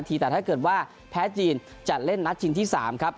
แต่ถ้าเกิดว่าแพ้จีนจะเล่นนัดชิงที่๓ครับ